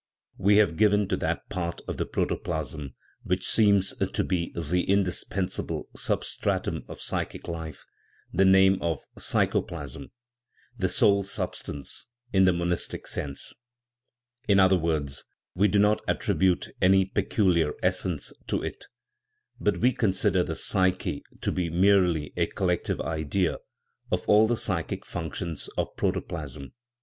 We have given to that part of the protoplasm which seems to be the indispensable substratum of psychic life the name of psychoplasm (the " soul substance," in the monistic sense) ; in other words, we do not attribute any peculiar " essence" to it, but we consider the psyche to be merely a collective idea of all the psychic functions of protoplasm.